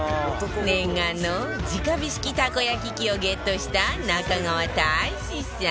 念願の直火式たこ焼き器をゲットした中川大志さん